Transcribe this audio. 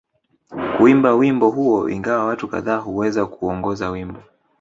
Kuimba wimbo huo ingawa watu kadhaa huweza kuongoza wimbo